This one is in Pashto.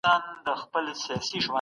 هر څوک کولای شي بریالی شي.